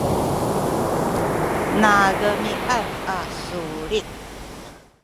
nademiad a sulit